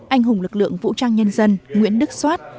anh hùng lực lượng vũ trang nhân dân nguyễn đức soát